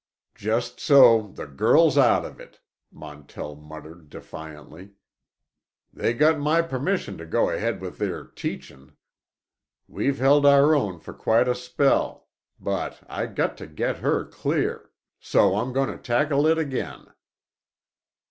"Just so the girl's out of it," Montell muttered defiantly, "they got my permission to go ahead with their teachin'. We've held our own for quite a spell. But I got to get her clear. So I'm goin' to tackle it again."